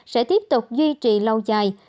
sẽ tiếp tục duy trì lâu dài